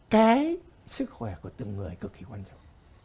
cái sức khỏe của từng người cực kỳ quan trọng